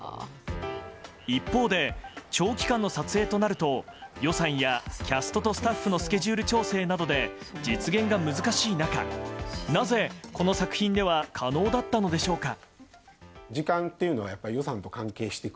一方で、長期間の撮影となると予算やキャストとスタッフのスケジュール調整などで実現が難しい中なぜ、この作品では可能だったのでしょうか。